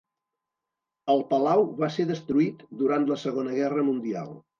El palau va ser destruït durant la Segona Guerra Mundial.